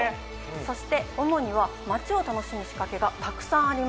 そしてＯＭＯには街を楽しむ仕掛けがたくさんあります。